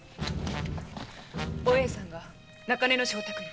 お栄さんが中根の妾宅に。